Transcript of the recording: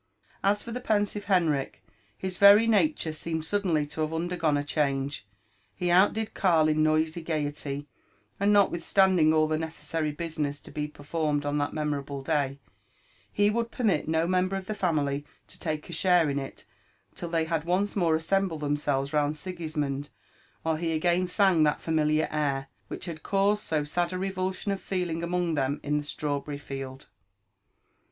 As for the pensive Henrich, his Tery nature seemed suddenly to have undergone a change ; he outdid Karl in noisy gaiety, and notwithstanding all the necessary business to be performed on that memorable day, he would permit no member of the family to lake a share in it till they had once more assembled themselves round Sigismond while he again sang that familiar air which had caused so sad a revulsion of feeling among them in the slrawberry 6eld.